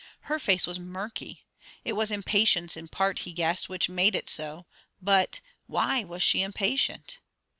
Her face was murky. It was impatience, in part, he guessed, which made it so; but why was she impatient?